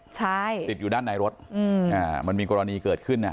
ใช่ติดอยู่ด้านในรถมันมีกรณีเกิดขึ้นอ่ะ